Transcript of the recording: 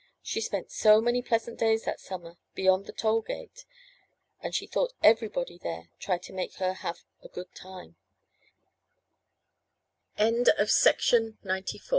She spent so many pleasant days that summer beyond the toll gate, and she thought everybody there tried to make her have a good ti